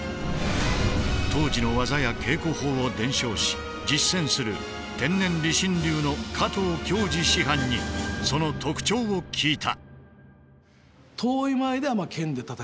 当時の技や稽古法を伝承し実践する天然理心流の加藤恭司師範にその特徴を聞いた。